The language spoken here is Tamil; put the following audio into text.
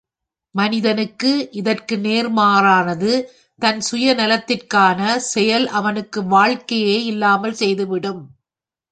மனிதனுக்கு இதற்கு நேர்மாறானது தன் சுய நலத்திற்கான செயல் அவனுக்கு வாழ்க்கையே இல்லாமற் செய்துவிடும்.